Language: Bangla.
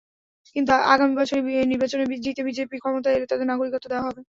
আগামী বছরের নির্বাচনে জিতে বিজেপি ক্ষমতায় এলে তাদের নাগরিকত্ব দেওয়া হবে।